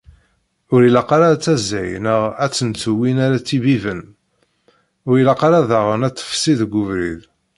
Ur ilaq ara ad taẓay neɣ ad tentu win ara tt-ibibben ; ur ilaq ara diɣen ad tefsi deg ubrid.